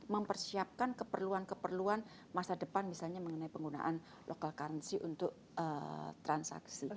mempersiapkan keperluan keperluan masa depan misalnya mengenai penggunaan local currency untuk transaksi